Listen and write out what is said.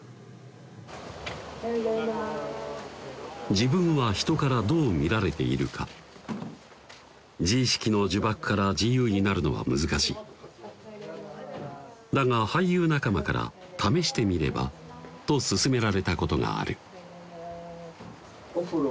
自分は人からどう見られているか自意識の呪縛から自由になるのは難しいだが俳優仲間から「試してみれば？」と勧められたことがある